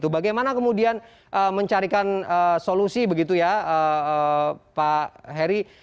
bagaimana kemudian mencarikan solusi begitu ya pak heri